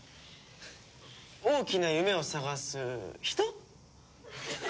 大きな夢を探す人？